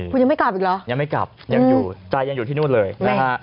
คุณยังไม่กลับอีกเหรอยังไม่กลับยังอยู่ใจยังอยู่ที่นู่นเลยนะฮะ